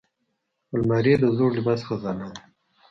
الماري د زوړ لباس خزانه ده